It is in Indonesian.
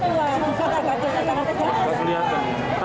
sebelumnya pedagang pasar tidak pernah membuat alatyoung wajah hanya memakai masker